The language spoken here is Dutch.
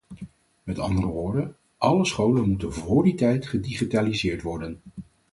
Met andere woorden: alle scholen moeten vóór die tijd gedigitaliseerd worden.